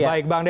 baik bang dedy